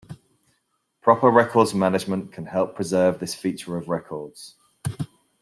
Proper records management can help preserve this feature of records.